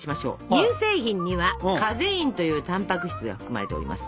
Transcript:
乳製品にはカゼインというたんぱく質が含まれております。